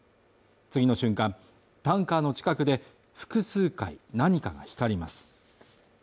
次の瞬間、タンカーの近くで複数回、何かが光ります。